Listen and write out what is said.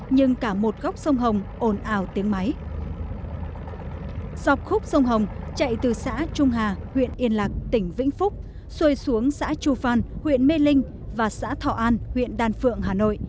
nhưng mà từ giữa sông chạy đến đây nhanh không